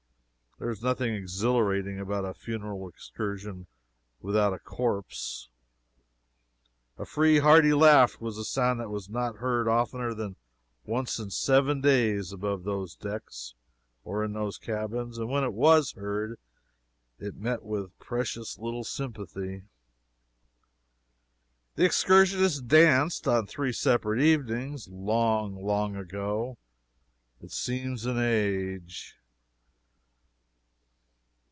(There is nothing exhilarating about a funeral excursion without a corpse.) A free, hearty laugh was a sound that was not heard oftener than once in seven days about those decks or in those cabins, and when it was heard it met with precious little sympathy. The excursionists danced, on three separate evenings, long, long ago, (it seems an age.)